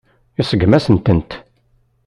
Iseggem-asen-tent.